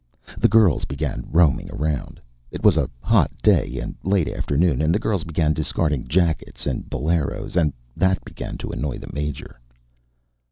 The girls began roaming around. It was a hot day and late afternoon, and the girls began discarding jackets and boleros, and that began to annoy the Major.